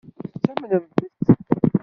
Tettamnemt-t?